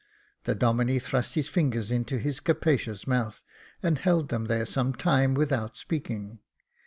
The Domine thrust his fingers into his capacious mouth, and held them there some time without speaking.